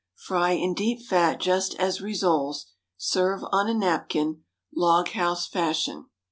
Fry in deep fat just as rissoles; serve on a napkin, log house fashion.